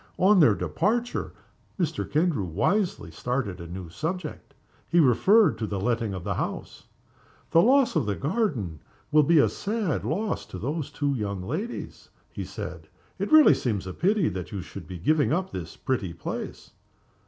On their departure Mr. Kendrew wisely started a new subject. He referred to the letting of the house. "The loss of the garden will be a sad loss to those two young ladies," he said. "It really seems to be a pity that you should be giving up this pretty place."